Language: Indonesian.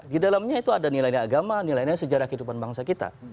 di dalamnya itu ada nilainya agama nilainya sejarah kehidupan bangsa kita